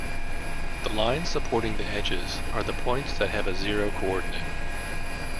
The lines supporting the edges are the points that have a zero coordinate.